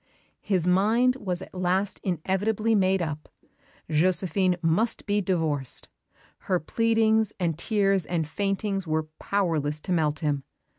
His mind was at last inevitably made up. Josephine must be divorced. Her pleadings and tears and faintings were powerless to melt him.